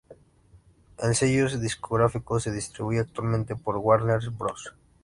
El sello discográfico se distribuye actualmente por Warner Bros.